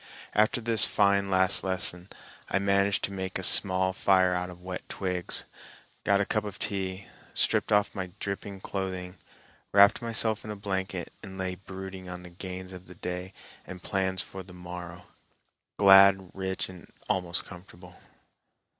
After this fine last lesson I managed to make a small fire out of wet twigs, got a cup of tea, stripped off my dripping clothing, wrapped myself in a blanket and lay brooding on the gains of the day and plans for the morrow, glad, rich, and almost comfortable.